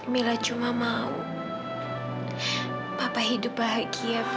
mila cuma mau papa hidup bahagia